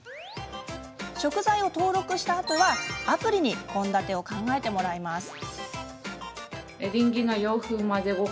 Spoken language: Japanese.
食材を登録したあとはアプリに献立を考えてもらいます。